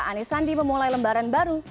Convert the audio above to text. anies sandi memulai lembaran baru